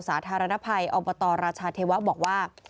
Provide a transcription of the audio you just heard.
สาธารณภัยองค์ประตอร์ราชาเทวะบอกว่า